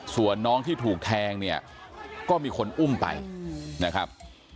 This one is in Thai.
ส่วนน้องที่ถูกแทงเนี่ยก็มีคนอุ้มไปนะครับ